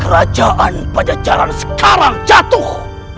rajaan pada jalan sekarang jatuh